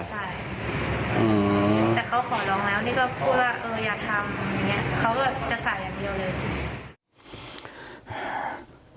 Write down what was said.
ขอร้องนะคะสู้ว่าอย่าทำเขาก็จะใส่อย่างเดียวเลย